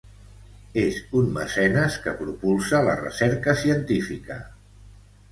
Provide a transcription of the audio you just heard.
És un mecenes que propulsa la recerca científica.